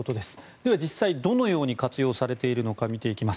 では、実際にどのように活用されているのか見ていきます。